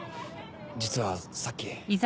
実はさっき。